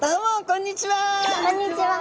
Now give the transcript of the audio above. こんにちは！